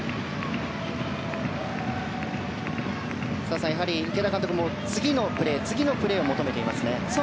澤さん、池田監督も次のプレー、次のプレーを求めていますね。